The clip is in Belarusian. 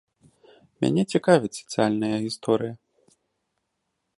Мяне цікавіць сацыяльная гісторыя.